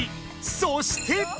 そして！